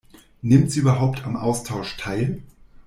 Nimmt sie überhaupt am Austausch teil?